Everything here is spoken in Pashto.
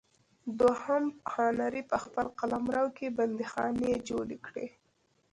دویم هانري په خپل قلمرو کې بندیخانې جوړې کړې.